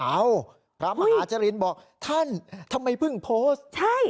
พระมหาจรินบอกท่านทำไมเพิ่งโพสต์ใช่